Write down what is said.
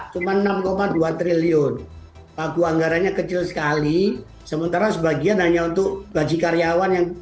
come two trillion pagu anggarannya kecil sekali sementara sebagian hanya untuk gaji karyawan yang